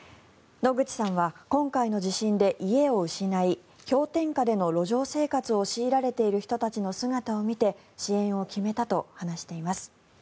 野口さんは今回の地震で家を失い氷点下での路上生活を強いられている人たちを見て支援を決めたと話しています。